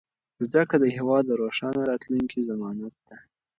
زده کړه د هېواد د روښانه راتلونکي ضمانت دی.